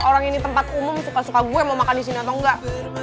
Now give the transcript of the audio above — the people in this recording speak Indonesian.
orang ini tempat umum suka suka gue mau makan di sini atau enggak